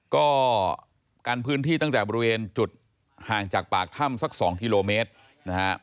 ก็กันพื้นที่ตั้งแต่บริเวณจุดห่างจากปากถ้ำสัก๒กิโลเมตรนะฮะ